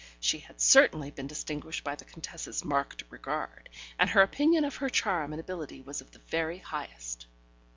She had certainly been distinguished by the Contessa's marked regard, and her opinion of her charm and ability was of the very highest.